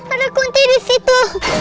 ada kunti di situ